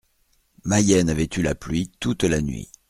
Mayenne avait eu la pluie toute la nuit.